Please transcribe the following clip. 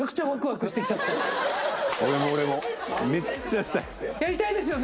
俺も俺もめっちゃしたい大島）やりたいですよね？